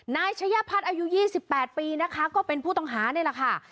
นายชะยพัฒน์อายุ๒๘ปีนะคะก็เป็นผู้ต้องหานี่แหละค่ะ